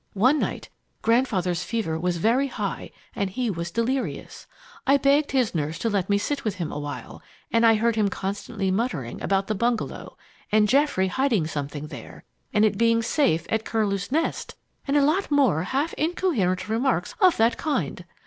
"One night Grandfather's fever was very high and he was delirious. I begged his nurse to let me sit with him awhile, and I heard him constantly muttering about the bungalow, and Geoffrey hiding something there, and it being safe at Curlew's Nest, and a lot more half incoherent remarks of that kind.